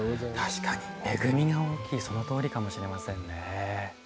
確かに恵みが大きいそのとおりかもしれませんね。